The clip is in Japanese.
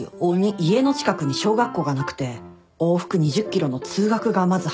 家の近くに小学校がなくて往復２０ｋｍの通学がまずハードな修行でしたね。